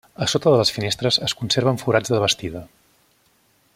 A sota de les finestres es conserven forats de bastida.